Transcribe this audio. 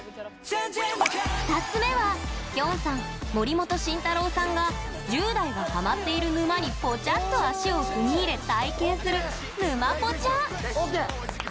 ２つ目はきょんさん、森本晋太郎さんが１０代がハマっている沼にポチャッと足を踏み入れ体験する「ぬまポチャ」。